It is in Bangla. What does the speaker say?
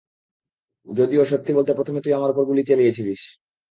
যদিও, সত্যি বলতে, প্রথমে তুই আমার ওপর গুলি চালিয়েছিলিস।